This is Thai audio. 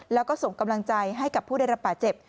แล้วก็ส่งกำลังใจให้กับผู้ได้รับบาดเจ็บ